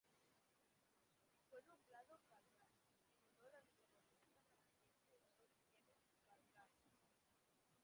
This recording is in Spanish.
Fue nombrado Galbraith en honor al economista canadiense John Kenneth Galbraith.